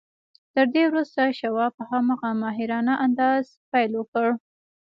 تر دې وروسته شواب په هماغه ماهرانه انداز پیل وکړ